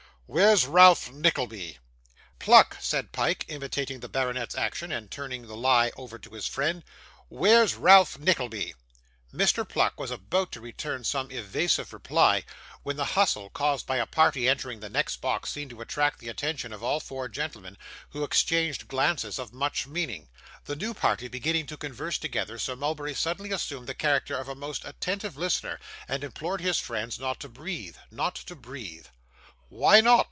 'Where's Ralph Nickleby?' 'Pluck,' said Pyke, imitating the baronet's action, and turning the lie over to his friend, 'where's Ralph Nickleby?' Mr. Pluck was about to return some evasive reply, when the hustle caused by a party entering the next box seemed to attract the attention of all four gentlemen, who exchanged glances of much meaning. The new party beginning to converse together, Sir Mulberry suddenly assumed the character of a most attentive listener, and implored his friends not to breathe not to breathe. 'Why not?